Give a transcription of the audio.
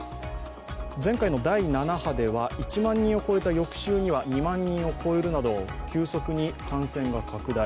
前回の第７波では１万人を超えた翌週には２万人を超えるなど急速に感染が拡大。